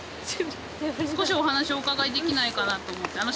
少しお話をお伺いできないかなと思って。